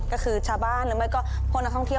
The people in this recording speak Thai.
ก็คือชาวบ้านหรือไม่ก็พวกนักท่องเที่ยว